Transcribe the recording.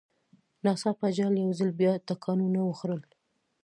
ناڅاپه جال یو ځل بیا ټکانونه وخوړل.